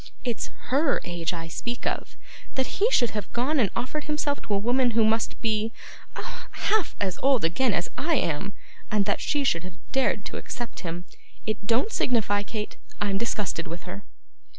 It's HER age I speak of. That he should have gone and offered himself to a woman who must be ah, half as old again as I am and that she should have dared to accept him! It don't signify, Kate; I'm disgusted with her!